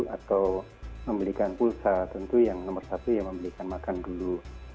atau membelikan pulsa tentu yang nomor satu ya membelikan makan dulu